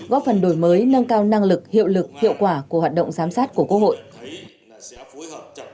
góp phần đổi mới nâng cao năng lực hiệu lực hiệu quả của hoạt động giám sát của quốc hội